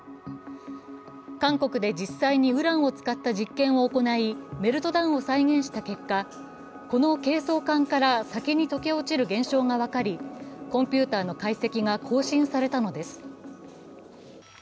韓国で実際にウランを使った実験を行い、メルトダウンを再現した結果この計装管から先に溶け落ちる現象がわかり、コンピュータの解析が更新されたのです。